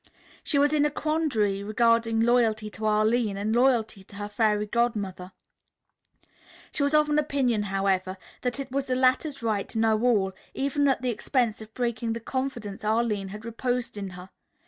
She was in a quandary regarding loyalty to Arline and loyalty to her Fairy Godmother. She was of the opinion, however, that it was the latter's right to know all, even at the expense of breaking the confidence Arline had reposed in her.